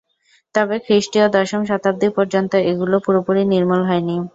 তবে, খ্রিস্টীয় দশম শতাব্দী পর্যন্ত এগুলি পুরোপুরি নির্মূল হয়নি।